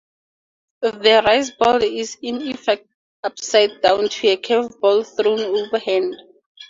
The riseball is in effect upside down to a curve ball thrown overhand.